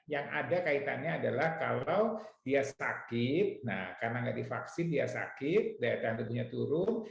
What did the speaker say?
yang ada kaitannya adalah kalau dia sakit nah karena nggak divaksin dia sakit daya tahan tubuhnya turun